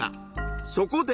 そこで！